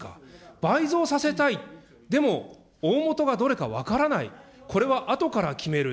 倍増させたい、でも、大本はどれか分からない、これはあとから決める。